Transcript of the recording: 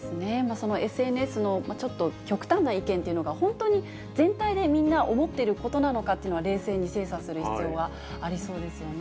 そのＳＮＳのちょっと極端な意見というのが本当に全体でみんな思ってることなのかっていうのは、冷静に精査する必要はありそうですよね。